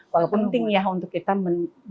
walaupun penting ya untuk kita